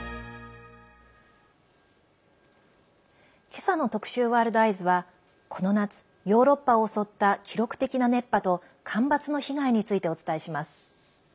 今朝の特集「ワールドＥＹＥＳ」はこの夏、ヨーロッパを襲った記録的な熱波と干ばつの被害についてお伝えします。